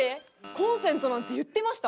「コンセント」なんて言ってました？